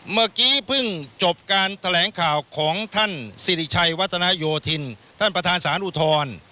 เมื่อกี้เพิ่งจบการแถลงข่าวของท่านสิริชัยวัตนาโยธินท่านประธานสารอุทธร